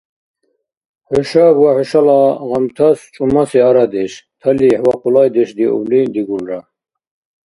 Хӏушаб ва хӏушала гъамтас чӏумаси арадеш, талихӏ ва къулайдеш диубли дигулра.